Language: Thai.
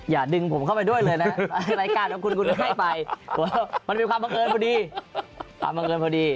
อย่าดึงผมเข้าไปด้วยเลยนะรายการของคุณไม่ให้ไปมันเป็นคำบังเกิดพอดี